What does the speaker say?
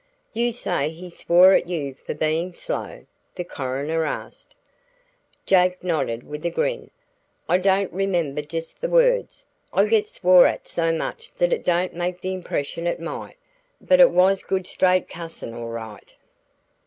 "You say he swore at you for being slow?" the coroner asked. Jake nodded with a grin. "I don't remember just the words I get swore at so much that it don't make the impression it might but it was good straight cussin' all right."